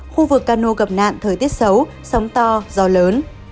khu vực cano gặp nạn thời tiết xấu sóng to gió lớn